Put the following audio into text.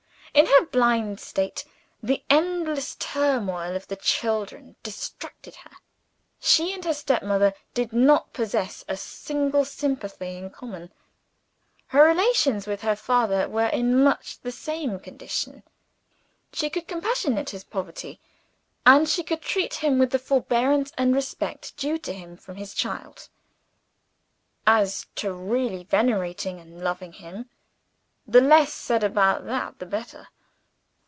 In her blind state, the endless turmoil of the children distracted her. She and her step mother did not possess a single sympathy in common. Her relations with her father were in much the same condition. She could compassionate his poverty, and she could treat him with the forbearance and respect due to him from his child. As to really venerating and loving him the less said about that the better.